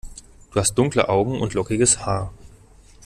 Du hast dunkle Augen und lockiges Haar.